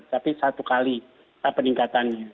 tapi satu kali peningkatannya